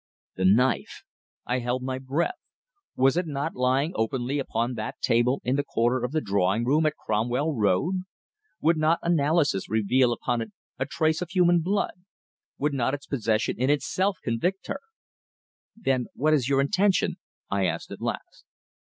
The knife! I held my breath. Was it not lying openly upon that table in the corner of the drawing room at Cromwell Road? Would not analysis reveal upon it a trace of human blood? Would not its possession in itself convict her? "Then what is your intention?" I asked, at last.